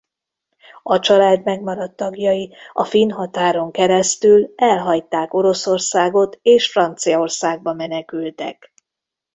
A család megmaradt tagjai a finn határon keresztül elhagyták Oroszországot és Franciaországba menekültek.